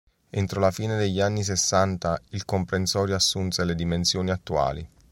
Entro la fine degli anni sessanta il comprensorio assunse le dimensioni attuali.